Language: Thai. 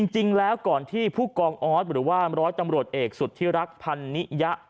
จริงแล้วก่อนที่ผู้กองออสหรือว่าร้อยตำรวจเอกสุธิรักษ์พันนิยะ